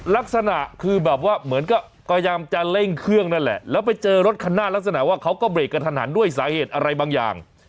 ลักษณะคือแบบว่าเหมือนก็พยายามจะเร่งเครื่องนั่นแหละแล้วไปเจอรถคันหน้าลักษณะว่าเขาก็เบรกกันทันหันด้วยสาเหตุอะไรบางอย่าง